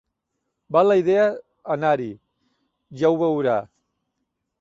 Val la idea anar-hi, ja ho veurà.